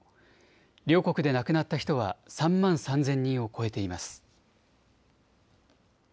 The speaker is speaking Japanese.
両国で亡くなった人は３万３０００人を超えています。